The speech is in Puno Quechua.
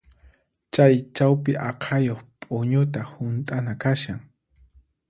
Chay chawpi aqhayuq p'uñuta hunt'ana kashan.